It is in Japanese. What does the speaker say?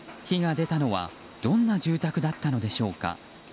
火が出たのはどんな住宅だったのでしょうか。